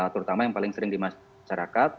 terutama yang paling sering di masyarakat